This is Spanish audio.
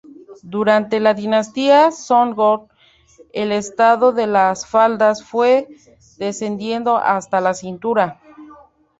Durante la Dinastía Song el atado de las faldas fue descendiendo hasta la cintura.